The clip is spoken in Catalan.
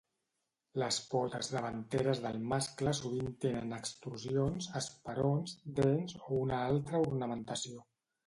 Les potes davanteres del mascle sovint tenen extrusions, esperons, dents o una altra ornamentació.